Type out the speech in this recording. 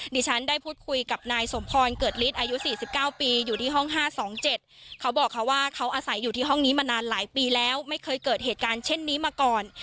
ดิฉันได้พูดคุยกับนายสมพรเกิดฤทธิ์อายุ๔๙ปีอยู่ที่ห้อง๕๒๗เขาบอกเขาว่าเขาอาศัยอยู่ที่ห้องนี้มานานหลายปีแล้วไม่เคยเกิดเหตุการณ์เช่นนี้มาก่อน